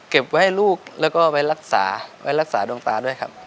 เก็บไว้ให้ลูกแล้วก็ไว้รักษาไว้รักษาดวงตาด้วยครับ